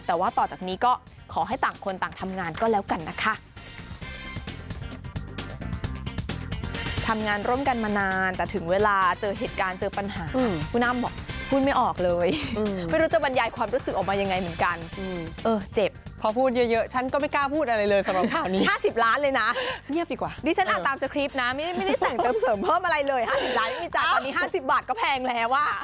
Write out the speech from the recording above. แต่ว่าต่อจากนี้ก็ขอให้ต่างคนต่างทำงานก็แล้วกันนะคะ